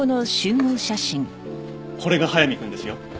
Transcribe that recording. これが速水くんですよ。